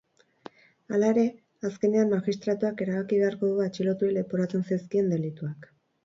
Hala ere, azkenean magistratuak erabaki beharko du atxilotuei leporatzen zaizkien delituak.